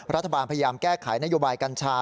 รัฐบาลพยายามแก้ไขนโยบายกัญชา